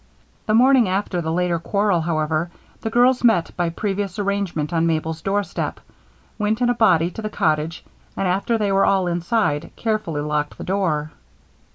The morning after the later quarrel, however, the girls met by previous arrangement on Mabel's doorstep, went in a body to the cottage, and, after they were all inside, carefully locked the door.